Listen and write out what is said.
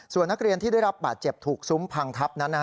ส่วนนักเรียนที่ได้รับบาดเจ็บถูกซุ้มพังทับนั้น